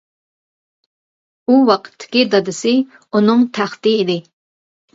ئۇ ۋاقىتتىكى دادىسى ئۇنىڭ تەختى ئىدى.